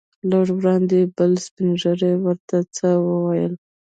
لږ وړاندې یو بل سپین ږیری ورته څه وویل.